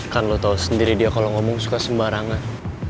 kan lo tau sendiri dia kalau ngomong suka sembarangan